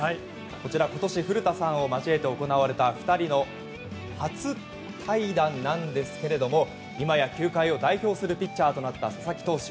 こちら、古田さんを交えて行われた２人の初対談なんですけども今や球界を代表するピッチャーとなった佐々木投手。